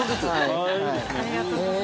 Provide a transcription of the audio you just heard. ◆ありがとうございます。